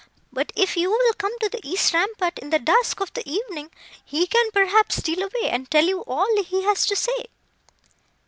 But, if you will come to the east rampart in the dusk of the evening, he can, perhaps, steal away, and tell you all he has to say."